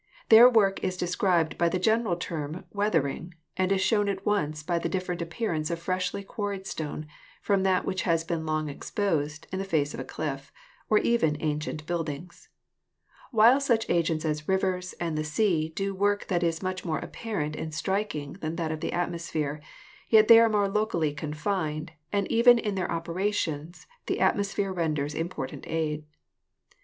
Their work is described by the general term weathering and is shown at once by the different appearance of freshly quarried stone from that which has been long exposed in the face of a cliff, or even in ancient buildings. While such agents as rivers and the sea do work that is much more apparent and striking than that of the atmosphere, yet they are more locally confined, and even in their opera tions the atmosphere renders important aid.